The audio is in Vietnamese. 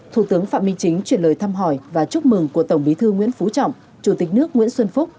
thủ tướng phạm minh chính chuyển lời thăm hỏi và chúc mừng của tổng bí thư nguyễn phú trọng chủ tịch nước nguyễn xuân phúc